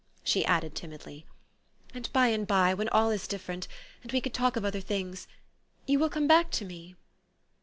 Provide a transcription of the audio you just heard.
" she added timidly. " And by and by, when all is different ... and we can talk of other things ... you will come back to me?